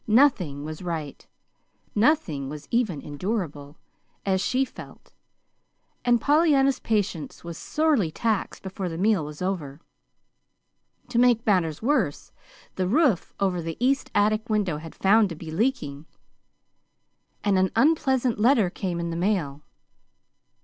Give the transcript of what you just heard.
Nothing was right, nothing was even endurable, as she felt; and Pollyanna's patience was sorely taxed before the meal was over. To make matters worse, the roof over the east attic window was found to be leaking, and an unpleasant letter came in the mail.